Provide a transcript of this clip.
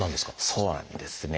そうなんですね。